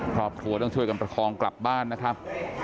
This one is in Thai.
ครอบครัวต้องช่วยกันประคองกลับบ้านนะครับ